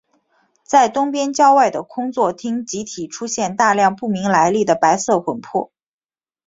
在东边郊外的空座町集体出现大量不明来历的白色魂魄。